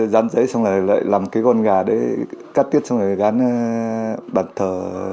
dán giấy xong rồi lại làm cái con gà đấy cắt tiết xong rồi gắn bàn thờ